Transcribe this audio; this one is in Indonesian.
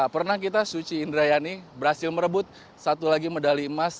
pernah kita suci indrayani berhasil merebut satu lagi medali emas